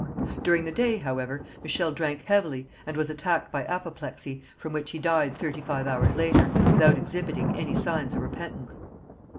During the day, however, Michel drank heavily and was attacked by apoplexy, from which he died thirty five hours later, without exhibiting any signs of repentance.